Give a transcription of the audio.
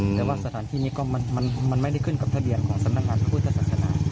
แต่ว่าสถานที่นี้ก็มันไม่ได้ขึ้นกับทะเบียนของสำนักงานพระพุทธศาสนา